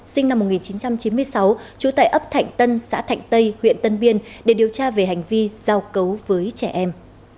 sinh năm một nghìn chín trăm chín mươi sáu trú tại ấp thạnh tân xã thạnh tây huyện tân biên để điều tra về hành vi giao cấu với trẻ em